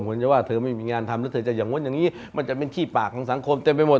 เหมือนจะว่าเธอไม่มีงานทำแล้วเธอจะอย่างนู้นอย่างนี้มันจะเป็นขี้ปากของสังคมเต็มไปหมด